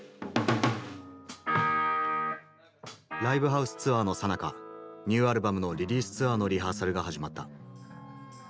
ライブハウスツアーのさなかニューアルバムのリリースツアーのリハーサルが始まった。